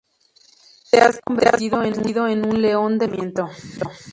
Te has convertido en un león del conocimiento.